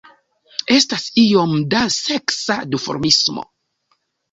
Estas iom da seksa duformismo.